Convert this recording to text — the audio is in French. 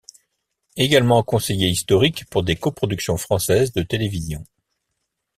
Egalement conseiller historique pour des coproductions françaises de télévision.